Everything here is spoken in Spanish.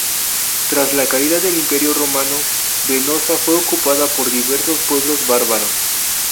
Tras la caída del Imperio romano, Venosa fue ocupada por diversos pueblos bárbaros.